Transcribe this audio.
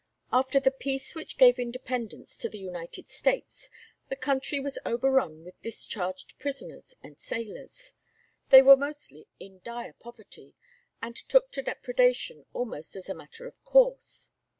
After the peace which gave independence to the United States, the country was overrun with discharged soldiers and sailors. They were mostly in dire poverty, and took to depredation almost as a matter of course.